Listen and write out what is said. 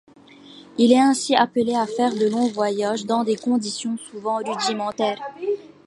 Il est ainsi appelé à faire de longs voyages dans des conditions souvent rudimentaires.